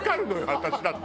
私だって。